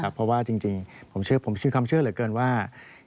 เพราะว่าจริงผมเชื่อเหลือเกินว่า